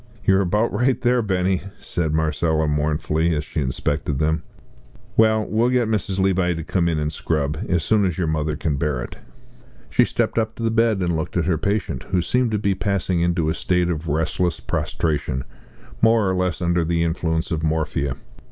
"You're about right there, Benny," said Marcella, mournfully, as she inspected them; "well, we'll get Mrs. Levi to come in and scrub as soon as your mother can bear it." She stepped up to the bed and looked at her patient, who seemed to be passing into a state of restless prostration, more or less under the influence of morphia.